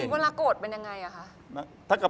เวลาโกรธเป็นยังไงอะคะ